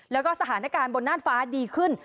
แล้วก็สถานการณ์บนน่านฟ้าดีขึ้น